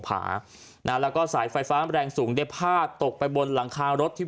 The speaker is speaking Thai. ผานะแล้วก็สายไฟฟ้าแรงสูงได้พาดตกไปบนหลังคารถที่